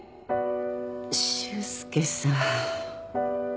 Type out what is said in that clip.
修介さん。